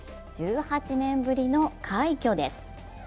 １８年ぶりの快挙です。